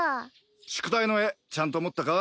宿題の絵ちゃんと持ったか？